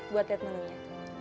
buat lihat menunya